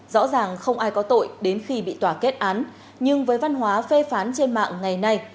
rõ ràng không ai có tội đến khi bị tòa kết án nhưng với văn hóa phê phán trên mạng ngày nay